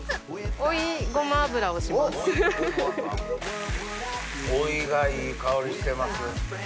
追いがいい香りしてます。